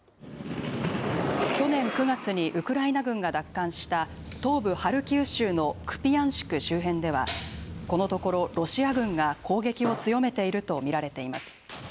去年９月にウクライナ軍が奪還した東部ハルキウ州のクピヤンシク周辺ではこのところ、ロシア軍が攻撃を強めていると見られています。